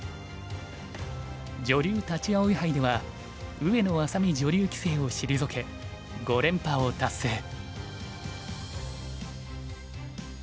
女流立葵杯では上野愛咲美女流棋聖を退け五連覇を達成。